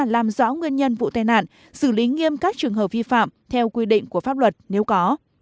làm rõ nguyên nhân vụ tai nạn xử lý nghiêm các trường hợp vi phạm theo quy định của pháp luật nếu có